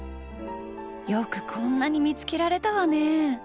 よくこんなに見つけられたわネ！